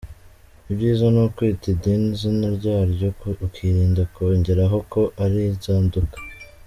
Ibyiza ni ukwita idini izina ryaryo ukirinda kongeraho ko ari inzaduka .